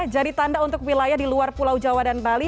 jadi tanda untuk wilayah di luar pulau jawa dan bali